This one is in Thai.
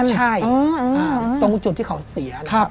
ใช่ตรงจุดที่เขาเสียนะครับ